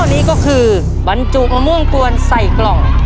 นี้ก็คือบรรจุมะม่วงปวนใส่กล่อง